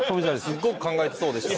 すごく考えてそうでした。